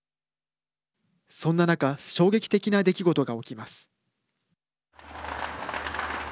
そんな中衝撃的な出来事が起きます。